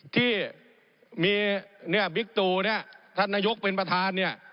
ที่มีเนี่ยบิ๊กตูเนี่ยท่านนายกเป็นประธานเนี่ย